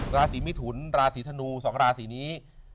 ราศีมิถุนราศีธนู๒ราศีนี้